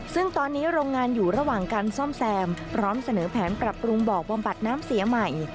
ซึ่งตอนนี้โรงงานอยู่ระหว่างการซ่อมแซมพร้อมเสนอแผนปรับปรุงบอกบำบัดน้ำเสียใหม่